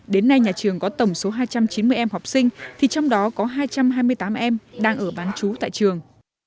đến nay nhà trường có tổng số hai trăm chín mươi em học sinh thì trong đó có hai trăm hai mươi tám em đang ở bán chú tại trường